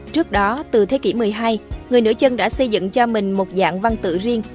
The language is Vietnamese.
trước đó từ thế kỷ một mươi hai người nữ chân đã xây dựng cho mình một dạng văn tự riêng